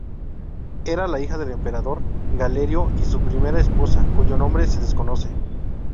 Era la hija del emperador Galerio y su primera esposa, cuyo nombre se desconoce.